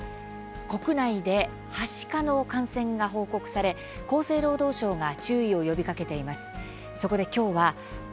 国内で、はしかの感染が報告され厚生労働省が注意を呼びかけています。